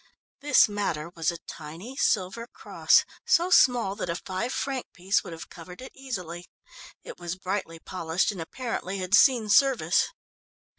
"This matter" was a tiny silver cross, so small that a five franc piece would have covered it easily. It was brightly polished and apparently had seen service.